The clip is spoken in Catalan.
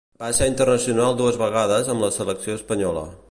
Va ser internacional dues vegades amb la selecció espanyola.